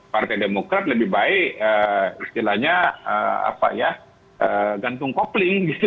partai demokrat lebih baik istilahnya gantung kopling gitu